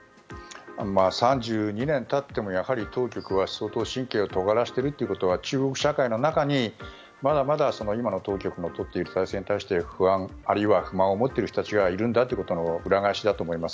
３２年たってもやはり当局は相当神経をとがらせているということは中国社会の中にまだまだ今の当局の取っている体制について不安、あるいは不満を持っている人たちがいることの裏返しだと思います。